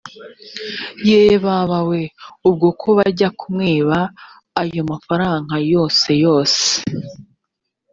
ye baba wee ubwo ko bajya kumwiba ayo mafaranga yoseyose